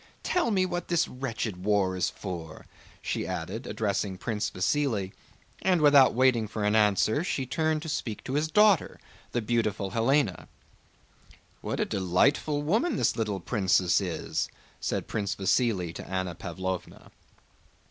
Tell me what this wretched war is for?" she added, addressing Prince Vasíli, and without waiting for an answer she turned to speak to his daughter, the beautiful Hélène. "What a delightful woman this little princess is!" said Prince Vasíli to Anna Pávlovna.